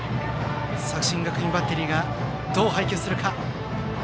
作新学院バッテリーがどう配球するか。